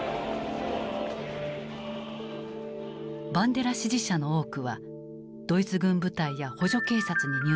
バンデラ支持者の多くはドイツ軍部隊や補助警察に入隊。